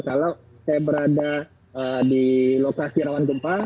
kalau saya berada di lokasi rawan gempa